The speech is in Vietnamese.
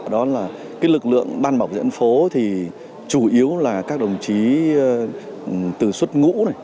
đó là lực lượng ban bảo diễn phố thì chủ yếu là các đồng chí từ xuất ngũ này